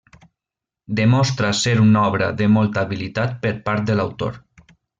Demostra ser una obra de molta habilitat per part de l'autor.